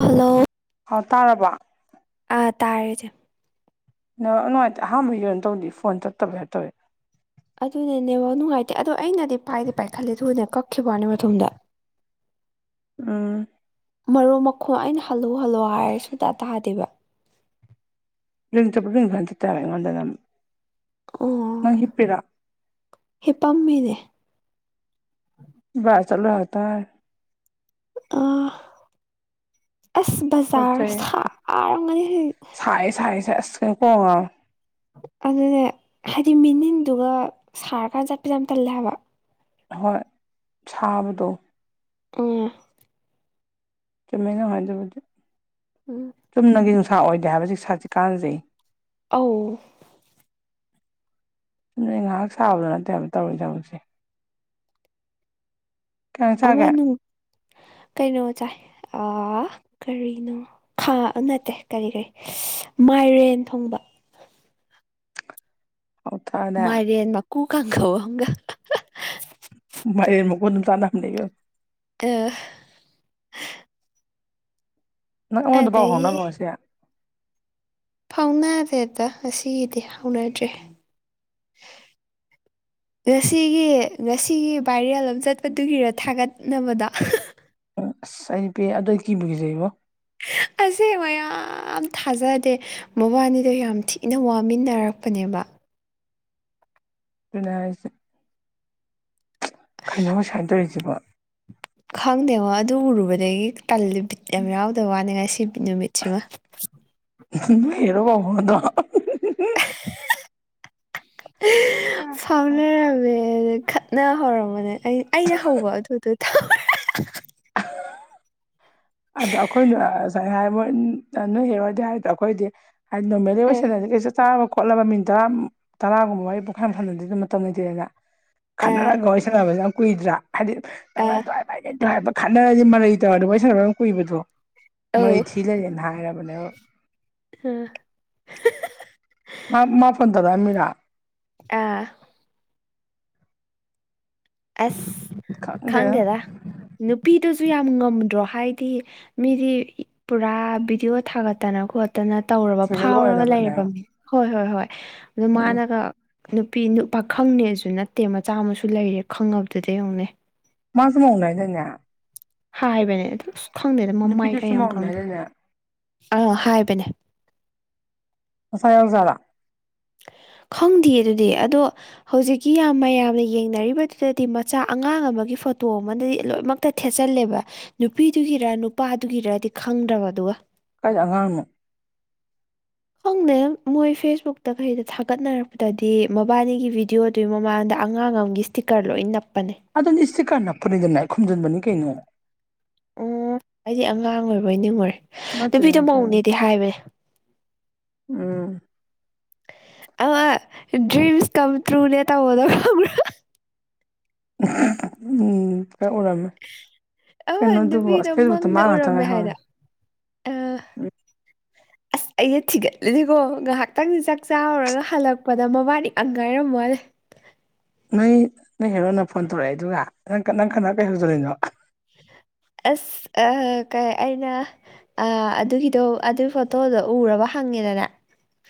hello ꯑꯥꯎ ꯇꯥꯔꯕ ꯑꯥ ꯇꯥꯔꯦ ꯆꯦ ꯅꯨꯡꯉꯥꯏꯇꯦ ꯑꯍꯥꯟꯕ ꯌ ꯑꯣꯏꯅ ꯇꯧꯗꯤ ꯐꯣꯟ ꯆꯠꯇꯕꯦ ꯍꯥꯏ ꯇꯧꯋꯦ ꯑꯗꯨꯅꯦꯅꯦꯕꯧ ꯅꯨꯡꯉꯥꯏꯇꯦ ꯑꯗꯣ ꯑꯩꯅꯗꯤ ꯄꯥꯏꯗꯤ ꯄꯥꯏꯈꯠꯂꯦ ꯊꯨꯅ ꯀꯛꯈꯤꯕꯅꯦ ꯃꯊꯣꯗ ꯎꯝ ꯃꯔꯨ ꯃꯈꯣꯡ ꯑꯩꯅ ꯍꯜꯂꯨ ꯍꯜꯂꯨ ꯍꯥꯏꯔ ꯁꯨꯡꯇꯥ ꯇꯥꯗꯦꯕ ꯈꯟꯇ ꯇꯥꯔꯦ ꯑꯩꯉꯣꯟꯗ ꯅꯪ ꯍꯤꯞꯄꯔꯥ ꯍꯦ ꯄꯥꯝꯃꯦꯅꯦ ꯕꯥꯏ ꯆꯂꯨ ꯌꯥꯇꯥ ꯑ ꯑꯁ ꯄꯣꯠ ꯕꯖꯥꯔ ꯁꯥꯔꯝꯉꯅꯤ ꯍꯧ ꯍꯥꯏꯌꯦꯁ ꯍꯥꯏꯁꯦ ꯑꯣ ꯑꯗꯨꯅꯦ ꯍꯥꯏꯗꯤ ꯃꯤꯅꯤꯟꯗꯨꯒ ꯁꯥꯔꯀꯥꯟꯗ ꯆꯠꯄꯁꯦ ꯌꯥꯝ ꯇꯜꯂꯦ ꯍꯥꯏꯕ ꯍꯣꯏ ꯁꯥꯕꯗꯣ ꯎꯝ ꯀꯃꯥꯏꯅꯣ ꯍꯥꯏꯗꯕꯗꯤ ꯎꯝ ꯆꯨꯝꯅꯒꯤ ꯅꯨꯡꯁꯥ ꯑꯣꯏꯗꯦ ꯍꯥꯏꯕꯁꯤ ꯁꯥꯥꯁꯤ ꯀꯥꯟꯅꯖꯩ ꯑꯧ ꯁꯨꯝ ꯅ ꯉꯥꯏꯍꯥꯛ ꯁꯥꯕꯗꯣ ꯅꯠꯇꯦꯕ ꯇꯧꯔꯔꯤ ꯊꯕꯛꯁꯦ ꯀꯩ ꯏꯟꯖꯥꯡ ꯆꯥꯒꯦ ꯑꯃꯁꯨꯡ ꯀꯩꯅꯣ ꯆꯥꯏ ꯀꯔꯤꯅꯣ ꯈꯥ ꯅꯠꯇꯦ ꯀꯔꯤ ꯀꯔꯤ ꯃꯥꯏꯔꯦꯟ ꯊꯣꯡꯕ ꯍꯥꯎꯊꯛꯑꯅꯦ ꯃꯥꯏꯔꯦꯟ ꯃ ꯀꯨ ꯀꯥꯡꯪꯈꯒ ꯃ ꯃꯀꯨ ꯑꯗꯨꯝ ꯆꯥꯅꯍꯝꯅꯨ ꯑ ꯅꯪꯉꯣꯟꯗ ꯄꯥꯎ ꯑꯗꯒꯤ ꯍꯥꯎꯅꯔꯣꯁꯦ ꯐꯥꯎꯅꯥꯗꯦꯗ ꯑꯁꯤꯒꯤꯗꯤ ꯍꯧꯅꯗ꯭ꯔꯦ ꯉꯁꯤꯒꯤ ꯉꯁꯤꯒꯤ ꯚꯥꯏꯔꯦꯜ ꯑꯃ ꯆꯠꯄꯗꯨꯒꯤꯔ ꯊꯥꯒꯠꯅꯕꯗ ꯑꯣ ꯑꯁ ꯑꯩ ꯅꯨ ꯄꯦ ꯑꯗꯨꯗ ꯑꯩ ꯀꯤꯕꯨꯈꯤꯖꯩꯕꯣ ꯑꯁꯦ ꯃꯌꯥꯝ ꯊꯥꯖꯗꯦ ꯃꯕꯥꯅꯤꯗꯣ ꯌꯥꯝ ꯊꯤꯅ ꯋꯥꯃꯤꯟꯅꯔꯛꯄꯅꯦꯕ ꯑꯗꯨꯅ ꯍꯥꯏꯁꯦ ꯈꯩꯅꯧ ꯁꯥꯏꯅ ꯇꯧꯔꯤꯁꯤꯕ ꯈꯪꯗꯦꯉꯣ ꯑꯗꯨ ꯎꯔꯨꯕꯗꯒꯤ ꯀꯕꯤꯠ ꯌꯥꯝ ꯌꯥꯎꯗꯕ ꯋꯥꯅꯤ ꯉꯁꯤ ꯅꯨꯃꯤꯠꯁꯤꯃ ꯍꯔꯣ ꯄꯥꯎ ꯐꯗ ꯐꯥꯎꯅꯔꯕ ꯅ ꯍꯧꯔꯝꯕꯅꯦ ꯑꯩꯅ ꯍꯧꯕ ꯑꯗꯨꯗ ꯑꯗ ꯑꯩꯈꯣꯏꯅ ꯉꯁꯥꯏ ꯍꯥꯏ ꯃꯣꯏ ꯅꯣꯏ ꯍꯔꯣꯏꯗꯤ ꯍꯥꯏꯗꯣ ꯑꯩꯈꯣꯏꯗꯤ [unintelligible] ꯆꯥꯕ ꯈꯣꯠꯂꯕ ꯃꯤꯅꯤꯠ ꯇꯔꯥ ꯇꯔꯥꯒꯨꯝꯕ ꯋꯥꯔꯤ ꯄꯨꯡꯈꯥꯏꯊꯟꯗꯗꯤ ꯑꯗꯨꯝ ꯃꯇꯝ ꯂꯩꯇꯦꯅ ꯑꯥ ꯈꯟꯅꯔꯒ ꯋꯥꯔꯤ ꯁꯦꯅꯕꯖꯦ ꯌꯥꯝ ꯀꯨꯏꯗ꯭ꯔꯥ ꯑꯥ ꯍꯥꯏꯕꯗꯤ ꯅꯪ ꯈꯠꯅꯔꯗꯤ ꯃꯔꯩ ꯇꯧꯔꯗꯤ ꯋꯥꯔꯤ ꯁꯥꯟꯅꯕ ꯌꯥꯝ ꯀꯨꯏꯕꯗꯣ ꯃꯔꯩ ꯑꯧ ꯊꯤ ꯂꯩꯔꯦꯅ ꯍꯥꯏꯔꯕꯅꯦꯕ ꯍꯥ ꯃꯥ ꯃꯥ ꯐꯣꯟ ꯇꯧꯔꯛ ꯑꯥꯝꯃꯤꯔꯣ ꯑꯥ ꯑꯁ ꯈꯪꯗꯦꯗ ꯅꯨꯄꯤꯗꯨꯖꯨ ꯌꯥꯝ ꯉꯝꯗ꯭ꯔꯣ ꯍꯥꯏꯗꯤ ꯃꯤꯗꯤ ꯄꯨꯔꯥ ꯕꯤꯗꯤꯑꯣ ꯊꯥꯒꯠ ꯇꯅ ꯈꯣꯠ ꯇꯅ ꯇꯧꯔꯕ ꯐꯤꯖꯦꯜ ꯐꯥꯎꯔꯒ ꯂꯩꯔꯕꯒ ꯑꯣꯏꯔꯕꯅꯦ ꯂꯩꯔꯕ ꯃꯤꯅꯤ ꯍꯣꯏ ꯍꯣꯏ ꯍꯣꯏ ꯑꯗꯨ ꯎꯝ ꯃꯥꯅꯒ ꯅꯨꯄꯤ ꯅꯨꯞ ꯄꯈꯪ ꯅꯦꯁꯨ ꯅꯠꯇꯦ ꯃꯆꯥ ꯑꯃꯁꯨ ꯂꯩꯔꯦ ꯈꯪꯉꯕꯗꯨꯗ ꯌꯦꯡꯉꯨ ꯅꯦ ꯃꯥꯁꯨꯨ ꯃꯧꯅꯦ ꯍꯥꯏꯗꯥꯏꯅꯦ ꯍꯥꯏꯕꯅꯦ ꯑꯗꯨ ꯑꯁ ꯈꯪꯗꯦꯗ ꯃꯃꯥꯏ ꯏꯀꯥꯏ ꯅꯨꯄꯤꯗꯨꯁꯨ ꯌꯥꯝ ꯃꯧꯅꯦ ꯈꯪꯗꯦ ꯍꯥꯏꯗꯥꯏꯅꯦ ꯑꯥ ꯍꯥꯏꯕꯅꯦ ꯃꯁꯥ ꯌꯥꯏ ꯖꯥꯠꯂꯣ ꯈꯪꯗꯤꯌꯦ ꯑꯗꯨꯗꯤ ꯑꯗꯣ ꯍꯧꯖꯤꯛꯀꯤ ꯌꯥꯝ ꯃꯌꯥꯝꯅ ꯌꯦꯡꯅꯔꯤꯕꯗꯨꯗꯗꯤ ꯃꯆꯥ ꯑꯉꯥꯡ ꯑꯃꯥꯒꯤ ꯐꯣꯇꯣ ꯑꯃꯥꯗꯩ ꯂꯣꯏꯃꯛ ꯍꯛꯇ ꯊꯦꯠꯆꯜꯂꯦꯕ ꯅꯨꯄꯤꯗꯨꯒꯤꯔ ꯅꯨꯄꯥꯗꯨꯒꯤꯔꯗꯤ ꯈꯪꯗ꯭ꯔꯕ ꯑꯗꯨꯒ ꯀꯥꯏꯗꯩ ꯑꯉꯥꯡꯅꯣ ꯈꯪꯗꯦꯗ ꯃꯣꯏ ꯐꯦꯁꯕꯨꯛꯇ ꯀꯩꯗ ꯊꯥꯒꯠꯅꯔꯛꯄꯗꯗꯤ ꯃꯕꯥꯅꯤꯒꯤ ꯕꯤꯗꯤꯑꯣ ꯑꯗꯨꯏ ꯃꯃꯥꯡꯗ ꯑꯉꯥꯡ ꯑꯃꯒꯤ ꯏꯁꯇꯤꯀꯔ ꯂꯣꯏ ꯅꯞꯄꯅꯦ ꯑꯗꯨ ꯏꯁꯇꯤꯀꯔ ꯅꯞ ꯄꯨꯅꯨꯗꯅ ꯈꯨꯝꯖꯤꯟꯕꯅꯤ ꯀꯩꯅꯣ ꯎꯝ ꯑꯩꯗꯤ ꯑꯉꯥꯡ ꯑꯣꯏꯔꯕꯣꯏ ꯅꯤꯡꯉꯨꯔꯦ ꯅꯠꯇꯦ ꯅꯨꯄꯤꯗꯣ ꯅꯠꯇꯦ ꯃꯧꯅꯦꯗꯤ ꯍꯥꯏꯕꯅꯦ ꯎꯝ ꯑꯃꯥ ꯗ꯭ꯔꯤꯝꯁ ꯀꯝ ꯇꯔꯨꯅꯦ ꯇꯧꯕꯗꯣ ꯈꯪꯕ꯭ꯔꯥ ꯎꯝ ꯅꯣꯡ ꯇꯪ ꯎꯔꯝꯃꯤ ꯑꯃ ꯀꯩꯅꯣ ꯑꯗꯨꯕꯣ ꯅꯨꯄꯤꯗꯣ ꯐꯦꯁ ꯔꯨꯛꯇ ꯃꯪꯗ ꯃꯥ ꯉꯥꯛꯇ ꯎꯔꯝꯃꯦ ꯍꯥꯏꯅ ꯉꯥꯏꯍꯧꯔꯦ ꯑꯥ ꯎꯝ ꯑꯁ ꯑꯩꯅ ꯊꯤꯒꯠꯂꯤꯀꯣ ꯉꯥꯏꯍꯥꯛꯇꯪ ꯆꯥꯛ ꯆꯥꯔꯨꯔꯒ ꯍꯜꯂꯛꯄꯗ ꯃꯕꯥꯅꯤ ꯉꯥꯛ ꯉꯥꯏꯔꯝꯕ ꯋꯅꯦ ꯅꯪ ꯅꯣꯏ ꯍꯦꯔꯣꯟꯅ ꯐꯣꯟ ꯇꯧꯔꯛꯏꯗꯨꯒ ꯅꯪ ꯈꯠꯅ ꯅꯪ ꯈꯠꯅ ꯀꯩꯒꯤ ꯍꯧꯖꯜꯂꯤꯅꯣ ꯑꯁ ꯑꯥ ꯀꯩ ꯑꯩꯅ ꯑꯥ ꯑꯗꯨꯒꯤꯗꯣ ꯑꯗꯨꯏ ꯐꯣꯇꯣꯗꯣ ꯎꯔꯥꯕ ꯍꯪꯉꯦꯗꯅ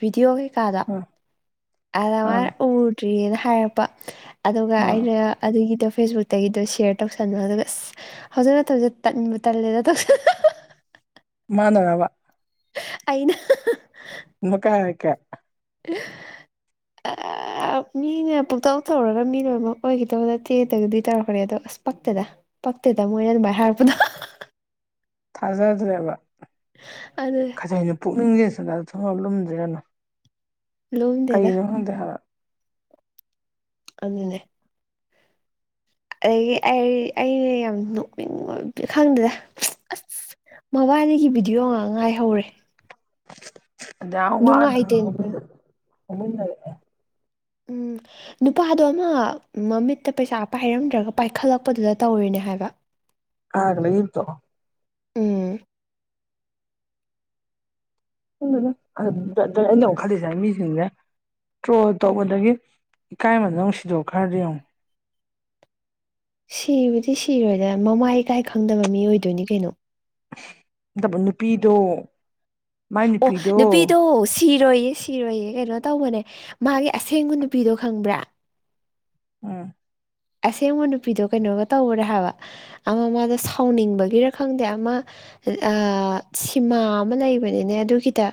ꯚꯤꯗꯤꯑꯣ ꯀꯩꯀꯥꯗꯣ ꯍ [unintelligible] ꯑꯗ ꯃꯥꯅ ꯎꯗ꯭ꯔꯤ ꯑꯅ ꯍꯥꯏꯔꯛꯄ ꯑꯗꯨꯒ ꯑꯥ ꯑꯩꯅ ꯑꯗꯨꯒꯤꯗꯣ ꯐꯦꯁꯕꯨꯛ ꯗꯒꯤꯗꯣ ꯁꯦꯌꯔ ꯇꯧꯁꯟꯕ ꯑꯗꯨꯒ ꯑꯁ ꯍꯧꯖꯤꯛ ꯃꯇꯝꯁꯦ ꯇꯟꯕꯨ ꯇꯜꯂꯦꯗ ꯇꯧꯁꯟ ꯃꯥꯅꯔꯕ ꯑꯩꯅ ꯏ ꯀ ꯀ [unintelligible] ꯑꯦ [unintelligible] ꯑꯥ ꯃꯤꯅ ꯄꯨꯛꯇꯥꯎ ꯇꯧꯔꯒ ꯃꯤ ꯂꯣꯏꯅꯃꯛ ꯑꯣꯏꯒꯗꯧ ꯅꯠꯇꯦꯠ ꯇꯧꯗꯤ ꯇꯧꯔꯛꯄꯅꯦ ꯑꯗꯣ ꯑꯁ ꯄꯛꯇꯦꯗ ꯄꯛꯇꯦꯗ ꯃꯣꯏ ꯑꯗꯨꯃꯥꯏꯅ ꯍꯥꯏꯔꯛꯄꯗꯣ ꯊꯥꯖꯗ꯭ꯔꯦꯕ ꯑꯗꯨꯅꯦ [unintelligible] ꯄꯨꯛꯅꯤꯡꯁꯦ ꯁꯒꯥꯗ ꯊꯣꯡꯉ ꯂꯨꯝꯗ꯭ꯔꯥꯅꯣ ꯂꯨꯝꯗꯦꯗ ꯀꯩꯅꯣ ꯈꯪꯗꯦ ꯍꯥꯏꯕ ꯑꯗꯨꯅꯦ ꯑꯩꯒꯤ ꯑꯩ ꯑꯩꯅ ꯌꯥꯝꯅ ꯅꯣꯛꯅꯤꯡꯕ ꯈꯪꯗꯦꯗ ꯑꯁ ꯃꯕꯥꯅꯤꯒꯤ ꯚꯤꯗꯤꯑꯣ ꯉꯥꯡ ꯉꯥꯏꯍꯧꯔꯦ ꯑꯗꯨꯌꯥꯝ ꯋꯥꯅ ꯅꯨꯡꯉꯥꯏꯇꯦ ꯍꯧꯃꯤꯟꯅꯔꯛ ꯑꯦ ꯎꯝ ꯅꯨꯄꯥꯗꯣ ꯑꯃ ꯥꯃꯃꯤꯠꯇ ꯄꯩꯁꯥ ꯄꯥꯏꯔꯝꯗ꯭ꯔꯒ ꯄꯥꯏꯈꯠꯂꯛꯄꯗꯨꯗ ꯇꯧꯔꯤꯅꯦ ꯍꯥꯏꯕ ꯍꯥꯏꯒꯂ ꯏ ꯇꯣ [unintelligible] ꯎꯝ ꯈꯪꯗꯦꯗ ꯑꯗꯨ ꯑꯩꯅ ꯑꯃꯨꯛ ꯈꯜꯂꯤꯁꯦ ꯃꯤꯁꯤꯡꯁꯦ ꯇ꯭ꯔꯣꯜ ꯇꯧꯕꯗꯒꯤ ꯏꯀꯥꯏ ꯃꯟꯗꯅ ꯑꯃꯨꯛ ꯁꯤꯗꯣꯛ ꯈꯔꯥꯗꯤ ꯌꯦꯡꯉꯣ ꯁꯤꯕꯨꯗꯤ ꯁꯤꯔꯣꯏꯗ ꯃꯃꯥꯏꯀꯥꯏ ꯈꯪꯗꯕ ꯃꯤ ꯑꯣꯏꯗꯣꯏꯅꯤ ꯀꯩꯅꯣ ꯅꯕꯨ ꯅꯨꯄꯤꯗꯣ ꯑꯣ ꯅꯨꯄꯤꯗꯣ ꯁꯤꯔꯣꯏꯌꯦ ꯁꯤꯔꯣꯏꯌꯦ ꯀꯩꯅꯣ ꯇꯧꯕꯅꯦ ꯃꯥꯒꯤ ꯑꯁꯦꯡꯕ ꯅꯨꯄꯤꯗꯣ ꯈꯪꯕ꯭ꯔꯥ ꯎꯝ ꯑꯁꯦꯡꯕ ꯅꯨꯄꯤꯗꯣ ꯀꯩꯅꯣꯒ ꯇꯧꯔꯦ ꯍꯥꯏꯕ ꯑꯃ ꯃꯥꯗ ꯁꯥꯎꯅꯤꯡꯕꯒꯤꯔ ꯈꯪꯗꯦ ꯑꯃ ꯁꯤꯃꯥ ꯑꯃ ꯂꯩꯕꯅꯤꯅꯦ ꯑꯗꯨꯒꯤꯗ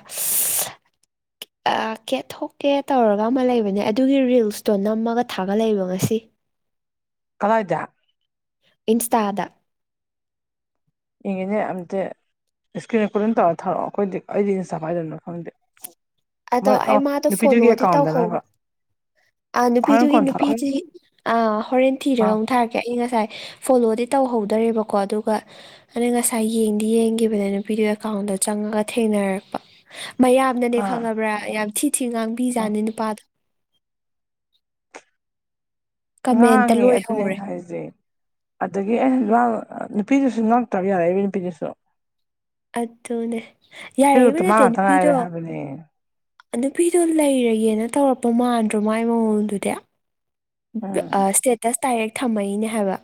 ꯀꯦ ꯊꯣꯛꯀꯦ ꯇꯧꯔꯒ ꯑꯃ ꯂꯩꯕꯅꯦ ꯑꯗꯨꯒꯤ ꯔꯤꯜꯁꯇꯣ ꯅꯝꯃꯒ ꯊꯥꯒꯠꯂꯕꯣ ꯉꯁꯤ ꯀꯗꯥ ꯍꯥꯏꯗ ꯏꯟꯁꯇꯥꯗ ꯏꯉꯅꯦ ꯑꯇ ꯏꯁꯀꯔꯤꯟ ꯀ ꯑꯗꯨꯝ ꯇꯧꯔ ꯊꯥꯔꯛꯑꯣ ꯑꯩꯈꯣꯏꯗꯤ ꯑꯩꯗꯤ ꯏꯟ ꯆꯐꯥꯏꯗꯅꯣ ꯈꯪꯗꯦ ꯑꯗꯣ ꯑ ꯑꯩ ꯃꯥꯗꯣ ꯅꯨꯄꯤꯗꯨꯒꯤ ꯑꯦꯀꯥꯎꯟꯗꯅꯕ ꯑ ꯍꯣꯔꯦꯟ ꯅꯨꯄꯤꯗꯨꯒꯤ ꯀꯣꯟ ꯊꯥꯔꯛꯑꯣ ꯅꯨꯄꯤꯁꯤ ꯑ ꯍꯣꯔꯦꯟ ꯊꯤꯔꯒ ꯑꯥ ꯑꯃꯨꯛ ꯊꯥꯔꯛꯀꯦ ꯑꯩ ꯉꯁꯥꯏ ꯐꯣꯂꯣꯗꯤ ꯇꯧꯍꯧꯗꯔꯦꯕꯀꯣ ꯑꯗꯨꯒ ꯑꯗ ꯉꯁꯥꯏ ꯌꯦꯡꯗꯤ ꯌꯦꯡꯒꯤꯈꯤꯕꯅꯦ ꯅꯨꯄꯤꯗꯨꯣ ꯑꯦꯀꯥꯎꯟꯗꯣ ꯆꯪꯉꯒ ꯊꯦꯡꯅꯔꯛꯄ ꯃꯌꯥꯝꯅꯅꯦ ꯑꯥ ꯈꯪꯉꯕ꯭ꯔꯥ ꯌꯥꯝ ꯊꯤ ꯊꯤ ꯑꯥ ꯉꯥꯡꯕꯤꯖꯥꯠꯅꯤ ꯅꯨꯄꯥꯗꯣ ꯀꯃꯦꯟꯇ ꯉꯥꯡꯉꯦ ꯑꯗꯨꯅꯦ ꯂꯣꯏꯍꯧꯔꯦ ꯑꯩꯅ ꯍꯥꯏꯖꯩ ꯑꯗꯒꯤ ꯑꯩ ꯅꯨꯄꯤꯗꯨꯁꯨ ꯉꯥꯛꯛꯇꯕ ꯌꯥꯔꯦ ꯏꯕ ꯅꯨꯄꯤꯗꯨꯁꯨ ꯑꯗꯨꯅꯦ ꯌꯥꯔꯏꯕ ꯐꯦꯁꯕꯨꯛꯇ ꯃꯥ ꯅꯠꯇꯦ ꯉꯥꯛꯇ ꯅꯨꯄꯤꯗꯣ ꯉꯥꯏꯔꯦ ꯍꯥꯏꯕꯅꯦ ꯅꯨꯄꯤꯗꯣ ꯂꯩꯔꯒꯦꯅ ꯇꯧꯔꯛꯄ ꯃꯥꯟꯗ꯭ꯔꯣ ꯃꯥꯏ ꯃꯉꯣꯟꯗꯨꯗꯤ ꯎꯝ ꯏꯁꯇꯦꯇꯁ ꯗꯥꯏꯔꯦꯛ ꯊꯝꯃꯏꯅꯦ ꯍꯥꯏꯕ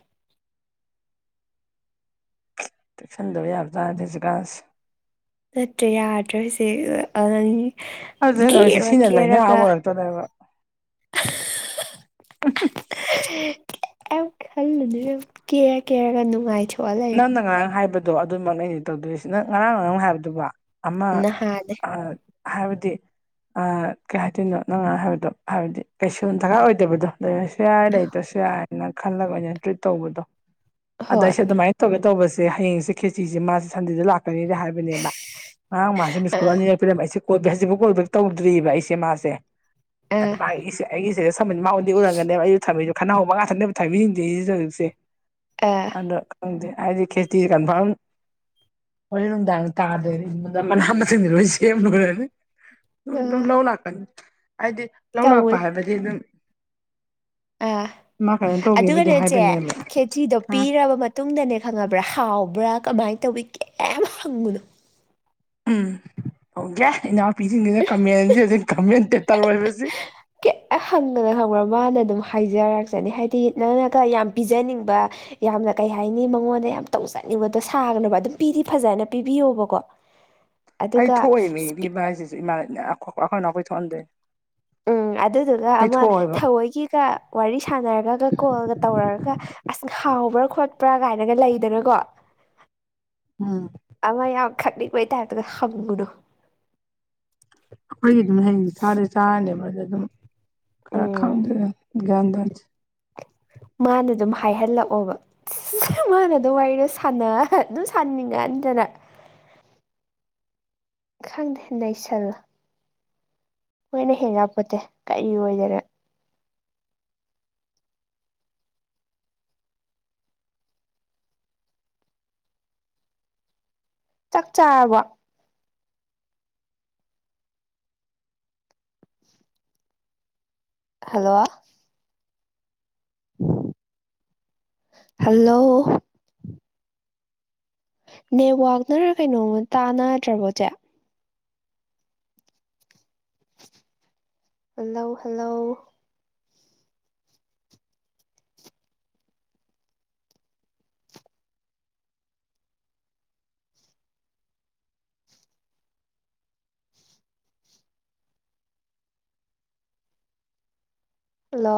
ꯇꯦꯛꯁꯟꯗꯕ ꯌꯥꯕꯖꯥꯔꯗꯁꯨ ꯒꯥꯁ ꯅꯠꯇ꯭ꯔꯦ ꯌꯥꯗ꯭ꯔꯁꯦ ꯑꯗꯨ ꯍꯧꯁꯦ ꯁꯤꯅ ꯂꯥꯏꯅꯥ ꯑꯃ ꯑꯣꯏꯔꯛꯇꯣꯅꯦꯕ ꯌꯥꯝ ꯈꯜꯂꯨꯅꯦ ꯀꯦꯔ ꯀꯦꯔꯒ ꯅꯨꯡꯉꯥꯏꯖꯩ ꯅꯪꯅ ꯉꯔꯥꯡ ꯍꯥꯏꯕꯗꯣ ꯑꯗꯨꯃꯛꯅꯦꯅꯦ ꯇꯧꯗꯣꯏꯁꯤ ꯅꯪ ꯉꯔꯥꯡ ꯉꯔꯥꯡ ꯍꯥꯏꯕꯗꯨꯕ ꯑꯃ ꯅꯍꯥꯟꯅꯦ ꯑ ꯍꯥꯏꯕꯗꯤ ꯀꯩ ꯍꯥꯏꯇꯣꯏꯅꯣ ꯅꯉꯥꯏ ꯍꯥꯏꯕꯗꯣ ꯍꯥꯏꯕꯗꯤ ꯀꯩꯁꯨ ꯗꯔꯀꯥꯔ ꯑꯣꯏꯗꯕꯗꯣ ꯂꯩꯔꯁꯨ ꯌꯥꯏ ꯂꯩꯇ꯭ꯔꯁꯨ ꯌꯥꯏꯅ ꯈꯜꯂꯒ ꯑꯩꯅ ꯇ꯭ꯔꯤꯠ ꯇꯧꯕꯗꯣ ꯑꯗ ꯍꯣꯏ ꯑꯩꯁꯦ ꯑꯗꯨꯃꯥꯏꯅ ꯇꯧꯒ ꯇꯧꯕꯁꯦ ꯍꯌꯦꯡꯁꯦ ꯈꯦꯆꯁꯦ ꯃꯥꯁꯦ ꯁꯟꯗꯦꯗ ꯂꯥꯛꯀꯅꯤꯔꯦ ꯍꯥꯏꯕ ꯃꯥꯦ ꯑꯥ ꯃꯤꯁꯀꯨꯂꯝꯅꯤ ꯄꯂꯝ ꯑꯩꯁꯦ ꯀꯣꯜꯦꯛ ꯍꯧꯖꯤꯛꯐꯥꯎ ꯀꯣꯜꯕꯦꯛ ꯇꯧꯗ꯭ꯔꯤꯑꯔꯤꯕ ꯑꯩꯁꯦ ꯃꯥꯁꯦ ꯑꯗ ꯑꯥ ꯃꯥꯒꯤ ꯑꯩꯁꯦ ꯑꯩꯒꯤꯁꯤꯗ ꯁꯃꯟ ꯃꯥꯃꯣꯟꯗꯤ ꯎꯔꯝꯒꯅꯦꯕ ꯑꯩꯁꯨ ꯊꯕꯤꯁꯨ ꯈꯠꯅꯍꯧꯕ ꯉꯥ ꯊꯛꯅꯦꯅꯕꯕ ꯊꯥꯕꯤꯁꯤꯡꯁꯦ ꯁꯤꯁꯤꯁꯨ ꯍꯧꯛꯁꯦ ꯑꯥ ꯑꯗ ꯈꯪꯗꯦ ꯍꯥꯏꯗꯤ ꯈꯦꯇ ꯀꯟꯐꯥꯔꯝ ꯍꯣꯔꯣꯏ ꯅꯨꯡꯗꯥꯡ ꯇꯥꯗꯣꯏ ꯃꯅꯥ ꯃꯁꯤꯡꯗꯤ ꯂꯣꯏ ꯁꯦꯝꯂꯨꯔꯈ꯭ꯔꯦꯅꯤ ꯑꯗꯨꯝ ꯑꯥ ꯂꯧ ꯂꯥꯛꯀꯅꯤ ꯍꯥꯏꯗꯤ ꯂꯧ ꯂꯥꯛꯄ ꯇꯧꯋꯦ ꯍꯥꯏꯕꯗꯤ ꯑꯗꯨꯝ ꯑꯥ ꯃꯥ ꯀꯩꯅꯣ ꯇꯧꯒꯦꯕꯨꯗꯤ ꯑꯗꯨꯒꯅꯦꯆꯦ ꯍꯥꯏꯕꯅꯦꯕ ꯈꯦꯆꯗꯣ ꯄꯤꯔꯕ ꯃꯇꯨꯡ ꯃꯇꯨꯡꯗꯅꯦ ꯈꯪꯉꯕ꯭ꯔꯥ ꯍꯥꯎꯕ꯭ꯔꯥ ꯀꯃꯥꯏꯅ ꯇꯧꯋꯤ ꯀꯌꯥꯝ ꯍꯪꯉꯨꯅꯣ ꯎꯝ ꯑꯣꯧꯒꯦ ꯏꯅꯥꯎꯄꯤꯁꯤꯡꯁꯤꯅ ꯀꯃꯦꯟꯁꯦ ꯑꯗꯨꯝ ꯀꯃꯦꯟꯇꯦ ꯇꯧꯔꯣꯏꯕꯁꯤ ꯍꯪꯒ꯭ꯔꯥ ꯍꯪꯕ꯭ꯔꯥ ꯃꯥꯅ ꯑꯗꯨꯝ ꯍꯥꯏꯖꯔꯛꯆꯅꯤ ꯍꯥꯏꯗꯤ ꯅꯪꯅꯒ ꯌꯥꯝ ꯄꯤꯖꯅꯤꯡꯕ ꯌꯥꯝꯅ ꯀꯩ ꯍꯥꯏꯅꯤ ꯃꯉꯣꯟꯗ ꯌꯥꯝ ꯇꯧꯖꯅꯤꯡꯕꯗꯣ ꯁꯥꯥꯒꯅꯣꯕ ꯑꯗꯨꯝ ꯄꯤꯗꯤ ꯐꯖꯅ ꯄꯤꯕꯤꯌꯣꯕꯀꯣ [inaudible] ꯑꯩ ꯊꯣꯛꯑꯦ ꯃꯤ ꯏꯃ ꯍꯥꯏꯁꯤꯁꯨ ꯏꯃꯥ ꯋꯥꯈꯜ ꯑꯩꯈꯣꯏ ꯊꯣꯛꯍꯟꯗꯦ ꯎꯝ ꯑꯗꯨꯗꯨꯒ ꯑꯃ ꯊꯑꯣꯏꯒꯤꯒ ꯋꯥꯔꯤ ꯁꯥꯟꯅꯔꯒ ꯀꯣꯜꯒ ꯇꯧꯔꯒ ꯑꯁ ꯍꯥꯎꯕ꯭ꯔꯥ ꯈꯣꯠꯄ꯭ꯔꯥ ꯀꯥꯏꯅꯒ ꯂꯩꯗꯅꯀꯣ ꯎꯝ ꯑꯃ ꯌꯥꯝꯈꯠꯅꯤꯡꯕꯩꯇꯥꯥꯏꯗꯨꯗ ꯍꯪꯉꯨꯅꯨ ꯑꯩꯈꯣꯏ ꯑꯗꯨꯝ ꯍꯌꯦꯡꯁ ꯆꯥꯗꯩ ꯆꯥꯔꯅꯦꯕ ꯑꯗ ꯑꯗꯨꯝ ꯈꯔ ꯎꯝ ꯈꯪꯗ꯭ꯔꯦ ꯒ꯭ꯌꯥꯟ ꯇꯌꯥꯟꯁꯦ ꯃꯥꯅ ꯑꯗꯨꯝ ꯍꯥꯏꯍꯜꯂꯛꯑꯣꯕ ꯃꯥꯥꯟꯅꯗꯣ ꯋꯥꯔꯤꯗꯣ ꯁꯥꯟꯅ ꯑꯗꯨꯝ ꯁꯥꯥꯟꯅꯤꯡꯉꯟꯗꯅ ꯈꯪꯗꯦ ꯅꯩꯁꯥꯂꯣ ꯃꯣꯏꯅ ꯍꯦꯟꯉꯛꯄꯣꯠꯇꯦ ꯀꯔꯤ ꯑꯣꯏꯗꯅ ꯆꯥꯛ ꯆꯥꯔꯕꯣ ꯍꯜꯂꯣ ꯍꯜꯂꯣ ꯅꯦꯠꯋꯥꯛ ꯅꯔ ꯀꯩꯅꯣꯝꯃꯥ ꯇꯥꯟꯅꯗ꯭ꯔꯕꯣ ꯆꯦ ꯍꯜꯂꯣ ꯍꯜꯂꯣ ꯍꯂꯣ